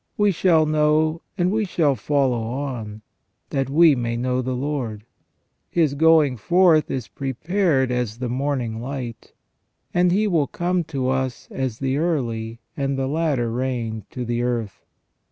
We shall know, and we shall follow on, that we may know the Lord. His going forth is prepared as the morning light, and He will come to us as the early and the latter rain to the earth."